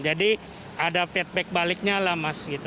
jadi ada feedback baliknya lah mas